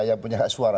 yang punya hak suara